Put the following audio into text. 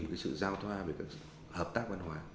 cái sự giao thoa về hợp tác văn hóa